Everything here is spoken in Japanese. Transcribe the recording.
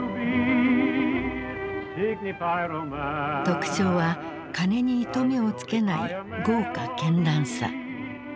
特徴は金に糸目をつけない豪華絢爛さ。